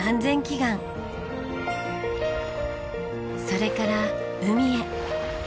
それから海へ。